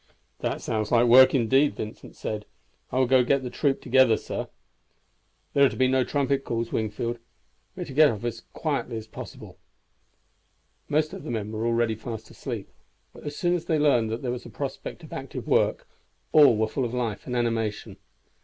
"That sounds like work, indeed," Vincent said. "I will get the troop together, sir." "There are to be no trumpet calls, Wingfield; we are to get off as quietly as possible." Most of the men were already fast asleep, but as soon as they learned that there was a prospect of active work all were full of life and animation.